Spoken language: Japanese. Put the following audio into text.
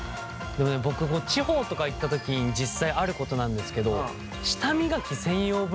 僕地方とか行った時に実際あることなんですけどああある！